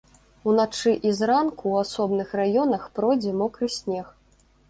Уначы і зранку ў асобных раёнах пройдзе мокры снег.